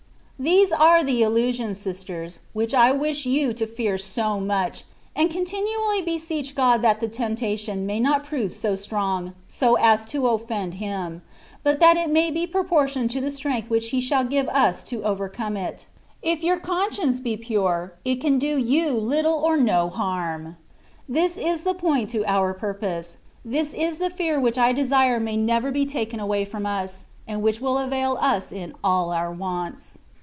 These are the illusions, sisters, which I wish you to fear so much; and continually beseech God that the temptation may not prove so strong, so as to ofi'end Him, but that it may be proportioned to the strength which He shall give us to over come it ; if your conscience be pure, it can do you little or no harm. This is the point to our pur pose ; this is the fear which I desire may never be THX WAY OF PEBFECTION. 209 taken away from us^ and which will avail us in all oar wants.